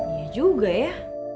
iya juga ya